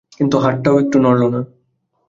কিন্তু হাতটা একটুও নড়ল না।